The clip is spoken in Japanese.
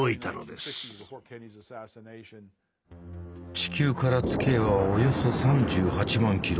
地球から月へはおよそ３８万キロ。